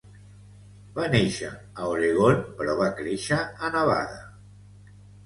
Va néixer a Oregon però va créixer a Nevada.